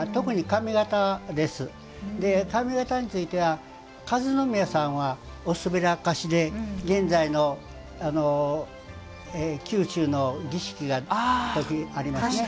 髪型については和宮さんはおすべらかしで現在の宮中の儀式がありますね。